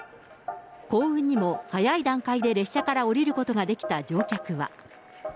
幸運にも早い段階で列車から降りることができた乗客は。